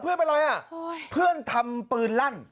เพื่อนเป็นอะไรอะเพื่อนทำปืนลั่น